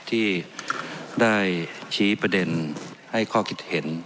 ที่ได้ชี้ประเด็นให้ข้อคิดเห็น